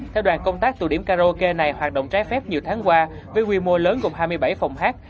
theo đoàn công tác tụ điểm karaoke này hoạt động trái phép nhiều tháng qua với quy mô lớn gồm hai mươi bảy phòng hát